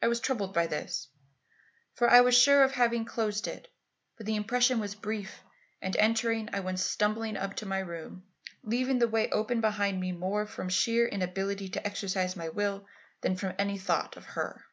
I was troubled by this, for I was sure of having closed it. But the impression was brief, and entering, I went stumbling up to my room, leaving the way open behind me more from sheer inability to exercise my will than from any thought of her.